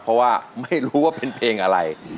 เพราะว่าไม่รู้ว่าเป็นเพลงอะไร